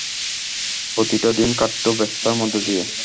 প্রতিটা দিন কাটতো ব্যস্ততার মধ্য দিয়ে।